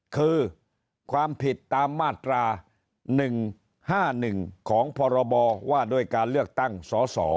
คือความผิดตามมาตรา๑๕๑ของพรบว่าด้วยการเลือกตั้งสส